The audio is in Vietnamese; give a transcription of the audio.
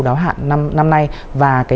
đáo hạn năm nay và